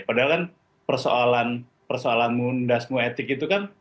padahal kan persoalan mundasmu etik itu kan